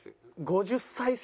５０再生。